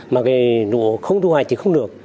mà cái lũ không thu hoạch thì không được